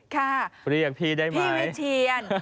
ค่ะพี่วิเชียน